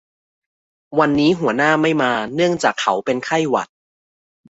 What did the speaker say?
วันนี้หัวหน้าไม่มาเนื่องจากเขาเป็นไข้หวัด